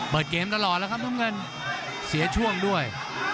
เปิดเกมตลอดแล้วครับน้ำเงินเสียช่วงด้วย